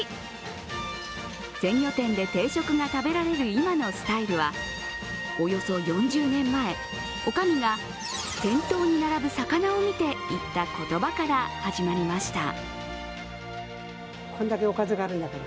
鮮魚店で定食が食べられる今のスタイルはおよそ４０年前、おかみが店頭に並ぶ魚を見て言った言葉から始まりました。